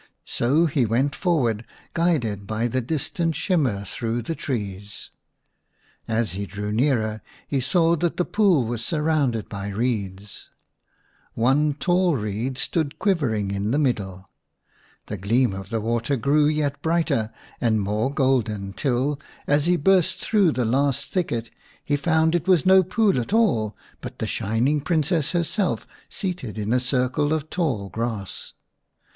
/So he went forward, /guided by the distant shimmer through the trees. As he drew nearer he saw that the pool was 40 iv The Shining Princess surrounded by reeds^/One tall reed stood quivering in the middle. The gleam of the water grew yet brighter and more golden, till, as he burst through the last thicket, he found it was no pool at all, but the Shining Princess/ herself seated in a circle of tall grass.